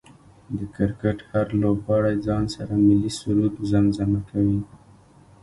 د کرکټ هر لوبغاړی ځان سره ملي سرود زمزمه کوي